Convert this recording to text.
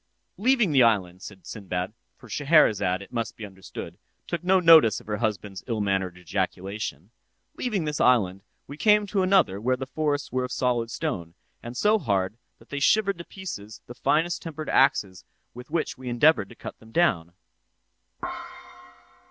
"'Leaving this island,' said Sinbad—(for Scheherazade, it must be understood, took no notice of her husband's ill mannered ejaculation) 'leaving this island, we came to another where the forests were of solid stone, and so hard that they shivered to pieces the finest tempered axes with which we endeavoured to cut them down.